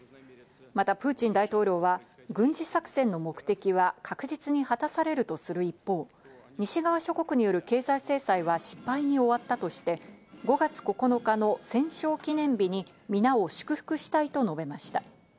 またプーチン大統領は軍事作戦の目的は確実に果たされるとする一方、西側諸国による経済制裁は失敗に終わったとして、５月９日の戦勝記念日に皆を祝福したいと述べました。